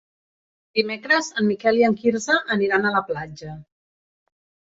Dimecres en Miquel i en Quirze aniran a la platja.